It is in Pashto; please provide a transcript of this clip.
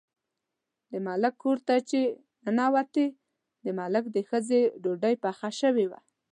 د ملک کور ته چې ننوتې، د ملک د ښځې ډوډۍ پخه شوې وه.